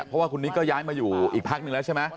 เพราะว่าคุณนิกก็ย้ายมาอยู่อีกพักหนึ่งแล้วใช่ไหม